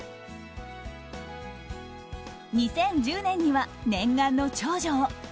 ２０１０年には念願の長女を。